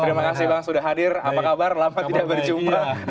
terima kasih bang sudah hadir apa kabar lama tidak berjumpa